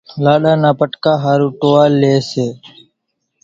لاڏا نا پٽڪا ۿارُو ٽوئال ليئيَ سي۔